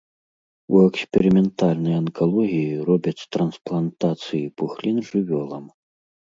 У эксперыментальнай анкалогіі робяць трансплантацыі пухлін жывёлам.